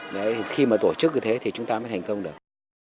đấy khi mà tổ chức như thế thì chúng ta mới thành công được